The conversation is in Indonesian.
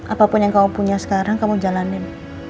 apapun yang kamu punya sekarang kamu jalanin